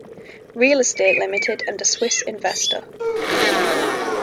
Real Estate ltd and a Swiss investor.